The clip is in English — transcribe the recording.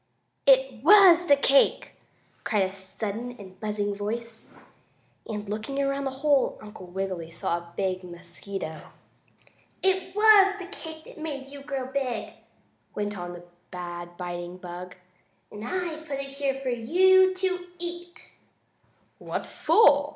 "It was the cake!" cried a sudden and buzzing voice, and, looking around the hole Uncle Wiggily saw a big mosquito. "It was the cake that made you grow big," went on the bad biting bug, "and I put it here for you to eat." "What for?"